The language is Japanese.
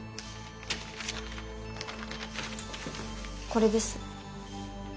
これです。